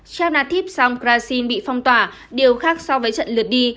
chao natip song krasin bị phong tỏa điều khác so với trận lượt đi